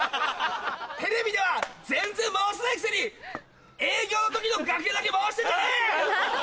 テレビでは全然回せないくせに営業の時の楽屋だけ回してんじゃねえ！